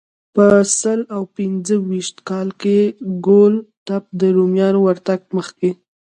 په سل او پنځه ویشت کال کې ګول ته د رومیانو ورتګ مخکې.